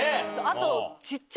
あと。